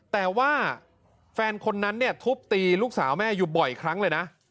แต่ว่าแฟนคนนั้นเนี่ยทุบตีลูกสาวแม่อยู่บ่อยครั้งเลยนะ